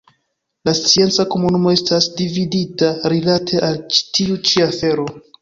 La scienca komunumo estas dividita rilate al tiu ĉi afero.